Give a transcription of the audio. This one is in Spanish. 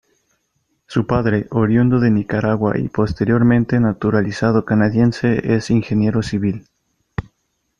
Su padre, oriundo de Nicaragua y posteriormente naturalizado canadiense, es ingeniero civil.